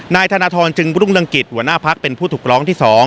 นายธนทรจึงรุ่งเรืองกิจหัวหน้าพักเป็นผู้ถูกร้องที่๒